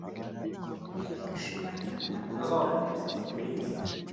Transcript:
Ibi bigashimangirwa na Pasitori Musisi Peace